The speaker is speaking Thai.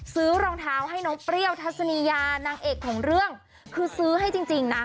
รองเท้าให้น้องเปรี้ยวทัศนียานางเอกของเรื่องคือซื้อให้จริงนะ